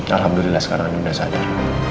alhamdulillah sekarang udah sadar